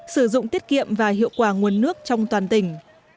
sử dụng tiết kiệm và hiệu quả nguồn nước trong toàn tỉnh